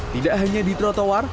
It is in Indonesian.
tidak hanya di trotoar